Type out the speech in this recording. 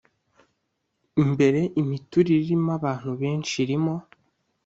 imbere imiturire irimo abantu benshi irimo